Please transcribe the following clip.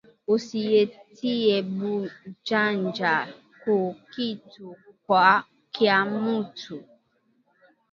Usi tiye bu janja ku kitu kya mutu